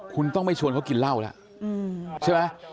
คุณต้องไม่ชวนเขากินเหล้าแล้วใช่ไหม